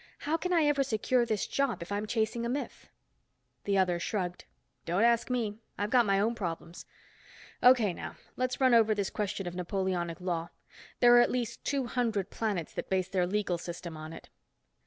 How can I ever secure this job, if I'm chasing a myth?" The other shrugged. "Don't ask me. I've got my own problems. O.K., now, let's run over this question of Napoleonic law. There are at least two hundred planets that base their legal system on it."